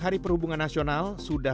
hati yang duka